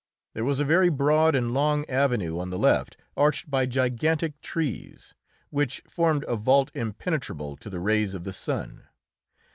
There was a very broad and long avenue on the left arched by gigantic trees, which formed a vault impenetrable to the rays of the sun.